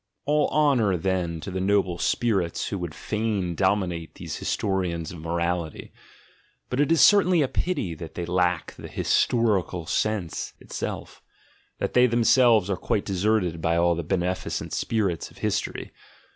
All honour, then, to the noble spirits who would fain dominate these historians of morality. But it is certainly "GOOD AND EVIL/ GOOD AXD BAD" 3 a pity that they lack the historical sense itself, that they themselves are quite deserted by all the beneficent spirits of history.